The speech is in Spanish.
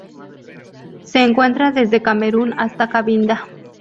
Se encuentra desde Camerún hasta Cabinda.